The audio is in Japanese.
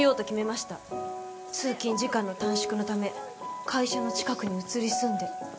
通勤時間の短縮のため会社の近くに移り住んで。